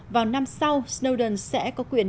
vào năm sau snowden sẽ có quyền